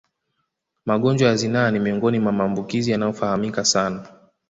Magonjwa ya zinaa ni miongoni mwa maambukizi yanayofahamika sana